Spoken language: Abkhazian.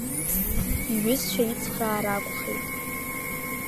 Иҩызцәа ицхраар акәхеит.